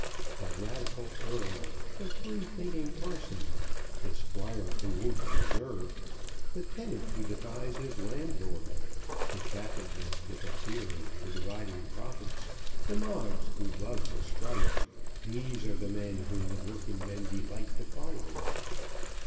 The radical Earl, the free thinking parson, the squire who won't preserve, the tenant who defies his landlord, the capitalist with a theory for dividing profits, the Moggs who loves a strike, these are the men whom the working men delight to follow.